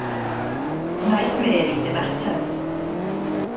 Wnaeth Mary ddim ateb.